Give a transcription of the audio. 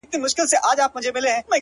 د ميني ننداره ده ـ د مذهب خبره نه ده ـ